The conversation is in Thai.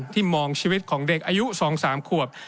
มองชีวิตของเด็กอายุ๒๓ขวบ